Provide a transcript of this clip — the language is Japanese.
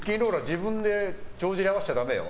自分で帳尻合わせちゃダメよ。